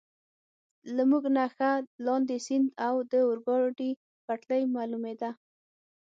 له موږ نه ښه لاندې، سیند او د اورګاډي پټلۍ معلومېده.